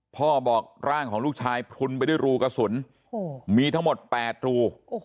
พ่อบอกร่างของลูกชายพลุนไปด้วยรูกระสุนมีทั้งหมด๘รู